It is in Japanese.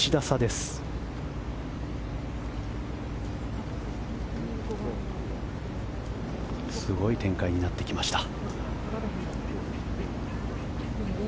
すごい展開になってきました。